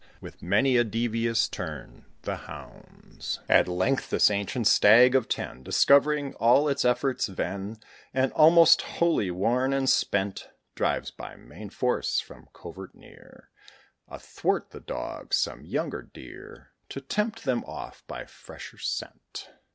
With many a devious turn, the hounds. At length this ancient stag of ten, Discovering all its efforts vain, And almost wholly worn and spent, Drives by main force, from covert near, Athwart the dogs, some younger deer, To tempt them off, by fresher scent.